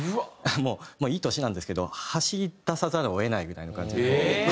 もういい年なんですけど走り出さざるを得ないぐらいの感じでこう。